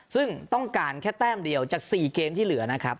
ซึ่งต้องการแค่แต้มเดียวจาก๔เกมที่เหลือนะครับ